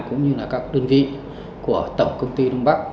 cũng như là các đơn vị của tổng công ty đông bắc